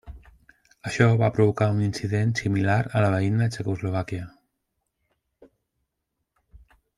Això va provocar un incident similar a la veïna Txecoslovàquia.